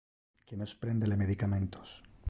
Que nos prende le medicamentos.